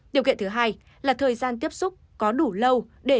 điều kiện thứ hai là thời gian tiếp xúc có đủ lâu để virus xâm nhập hay không